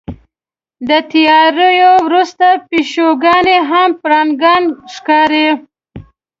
د تیارو وروسته پیشوګانې هم پړانګان ښکاري.